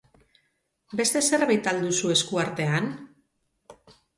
Beste zerbait al duzu esku artean?